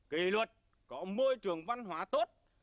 kỳ luật có môi trường văn hóa tốt